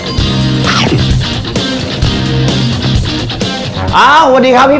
สวัสดีครับพี่